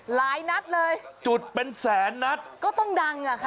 หลายนัดเลยจุดเป็นแสนนัดก็ต้องดังอ่ะค่ะ